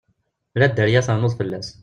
La dderya ternuḍ fell-as.